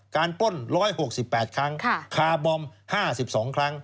ปล้น๑๖๘ครั้งคาร์บอม๕๒ครั้ง